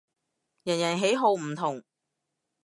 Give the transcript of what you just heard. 人人喜好唔同